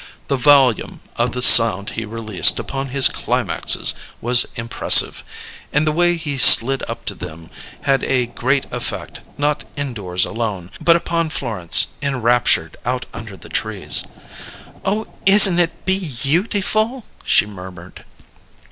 The volume of sound he released upon his climaxes was impressive, and the way he slid up to them had a great effect, not indoors alone, but upon Florence, enraptured out under the trees. "Oh, isn't it be you tiful!" she murmured.